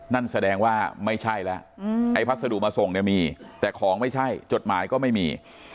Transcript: นั่นแสดงว่าไม่ใช่แล้วไอ้พัสดุมาส่งเนี่ยมีแต่ของไม่ใช่จดหมายก็ไม่มี